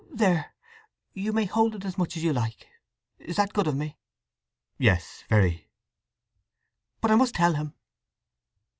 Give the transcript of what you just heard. There, you may hold it as much as you like. Is that good of me?" "Yes; very." "But I must tell him."